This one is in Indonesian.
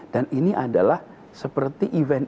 dan ini adalah seperti event